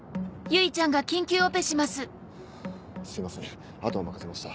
すいませんあとは任せました。